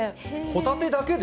ホタテだけで？